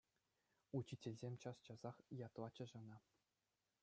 Учительсем час-часах ятлатчӗҫ ӑна.